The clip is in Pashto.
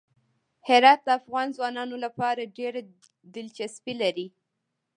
هرات د افغان ځوانانو لپاره ډېره دلچسپي لري.